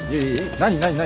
何何何？何？